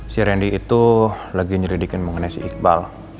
si randy itu lagi nyeridikin mengenai si iqbal